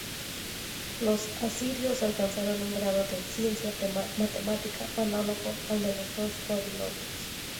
Los asirios alcanzaron un grado de ciencia matemática análogo al de los babilonios.